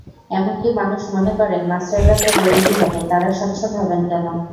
এমনকি মানুষ মনে করে, মাস্টাররা তো গরিবই হবে, তাঁরা সচ্ছল হবেন কেন।